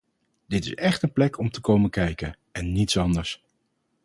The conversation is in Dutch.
Dat is echt een plek om te komen kijken, en niets anders.